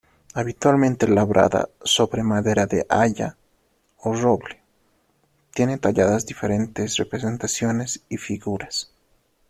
Habitualmente labrada sobre madera de haya o roble tiene talladas diferentes representaciones y figuras.